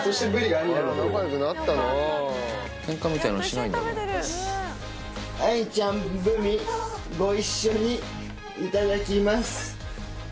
アニちゃん、ぶり、ご一緒に、いただきます。